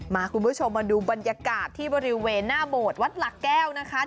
คุณผู้ชมมาดูบรรยากาศที่บริเวณหน้าโบสถ์วัดหลักแก้วนะคะ